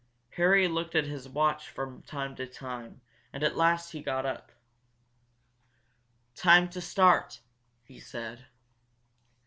Harry looked at his watch from time to time and at last he got up. "Time to start!" he said.